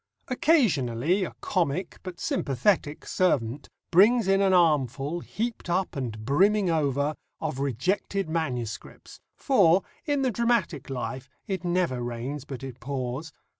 Occasionally a comic, but sympathetic, servant brings in an armful "heaped up and brimming over" of rejected MSS., for, in the dramatic life, it never rains but it pours.